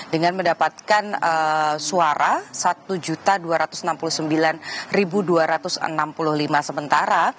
dengan mendapatkan suara satu dua ratus enam puluh sembilan dua ratus enam puluh lima sementara